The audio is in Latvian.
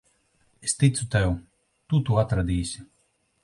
Es ticu tev. Tu to atradīsi.